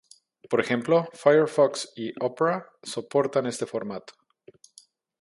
Por ejemplo, Firefox y Opera soportan este formato.